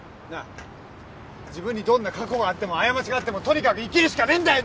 自分にどんな過去があっても過ちがあってもとにかく生きるしかねえんだよ